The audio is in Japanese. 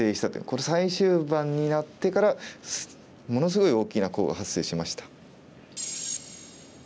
これ最終盤になってからものすごい大きなコウが発生しました。